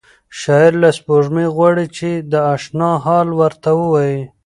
شاعر له سپوږمۍ غواړي چې د اشنا حال ورته ووایي.